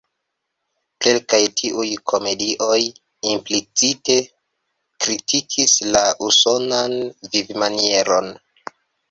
Kelkaj tiuj komedioj implicite kritikis la usonan vivmanieron.